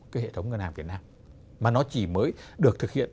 cái hệ thống ngân hàng việt nam mà nó chỉ mới được thực hiện